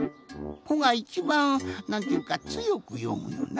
「ほ」がいちばんなんていうかつよくよむよな。